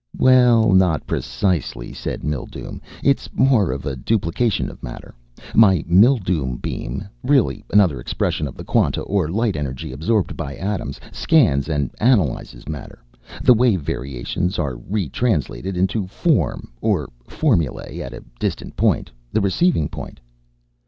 "Well, not precisely," said Mildume. "It's more a duplication of matter. My Mildume beam really another expression of the quanta or light energy absorbed by atoms scans and analyzes matter. The wave variations are retranslated into form, or formulae, at a distant point the receiving point."